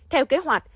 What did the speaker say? theo kế hoạch